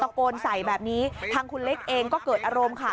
โกนใส่แบบนี้ทางคุณเล็กเองก็เกิดอารมณ์ค่ะ